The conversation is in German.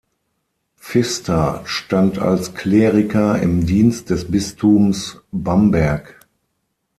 Pfister stand als Kleriker im Dienst des Bistums Bamberg.